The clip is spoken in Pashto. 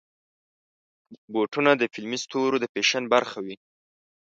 بوټونه د فلمي ستورو د فیشن برخه وي.